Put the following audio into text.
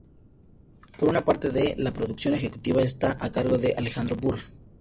Por una parte la producción ejecutiva está a cargo de Alejandro Burr.